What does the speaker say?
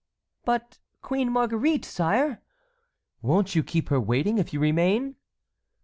"But Queen Marguerite, sire! won't you keep her waiting if you remain?"